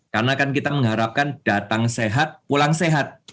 karena kan kita mengharapkan datang sehat pulang sehat